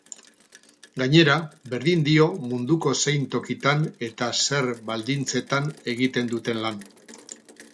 Gainera, berdin dio munduko zein tokitan eta zer baldintzetan egiten duten lan.